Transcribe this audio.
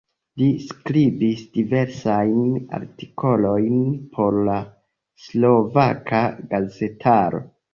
Li skribis diversajn artikolojn por la slovaka gazetaro.